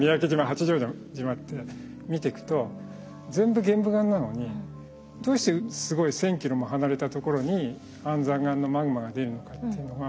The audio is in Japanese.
八丈島って見てくと全部玄武岩なのにどうしてすごい１，０００ｋｍも離れたところに安山岩のマグマが出るのかっていうのが。